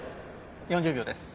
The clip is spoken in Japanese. ４０秒です。